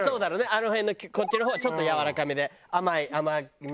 あの辺のこっちの方はちょっとやわらかめで甘めの。